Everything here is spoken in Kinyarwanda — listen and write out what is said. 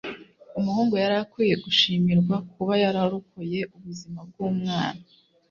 umuhungu yari akwiye gushimirwa kuba yararokoye ubuzima bwumwana